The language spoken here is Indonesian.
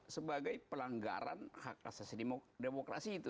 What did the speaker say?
sebagai pelanggaran hak asasi demokrasi itu